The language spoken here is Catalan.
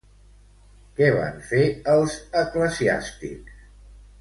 Què van fer els eclesiàstics?